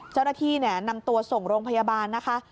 เจ้าหน้าที่นำตัวส่งโรงพยาบาลนะคะ